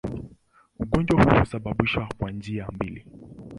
Ugonjwa huu husababishwa kwa njia mbili.